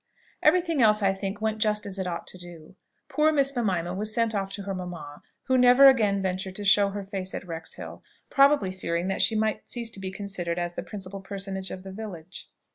Every thing else, I think, went just as it ought to do. Poor Miss Mimima was sent off to her mamma, who never again ventured to show her face at Wrexhill; probably fearing that she might cease to be considered as the principal person of the village.